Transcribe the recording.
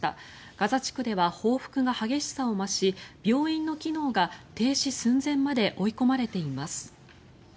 ガザ地区では報復が激しさを増し病院の機能が停止寸前まで追い込まれています。